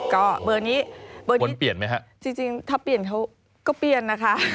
ก็เบอร์นี้จริงถ้าเปลี่ยนเขาก็เปลี่ยนนะคะ